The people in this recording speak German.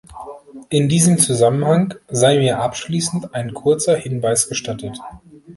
In diesem Zusammenhang sei mir abschließend ein kurzer Hinweis gestattet.